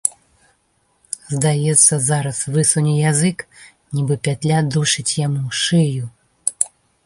Здаецца, зараз высуне язык, нібы пятля душыць яму шыю.